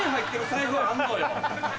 財布あんのよ。